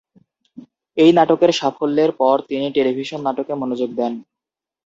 এই নাটকের সাফল্যের পর তিনি টেলিভিশন নাটকে মনোযোগ দেন।